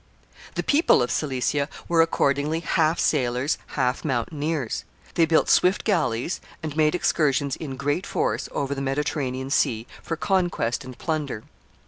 The people of Cilicia were accordingly half sailors, half mountaineers. They built swift galleys, and made excursions in great force over the Mediterranean Sea for conquest and plunder.